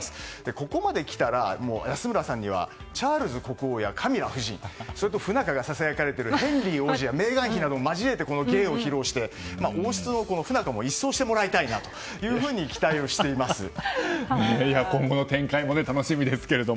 ここまで来たら、安村さんにはチャールズ国王やカミラ夫人それと不仲がささやかれているヘンリー王子やメーガン妃なども交えて、この芸を披露して王室の不仲も一掃してもらいたいなと今後の展開も楽しみですけど。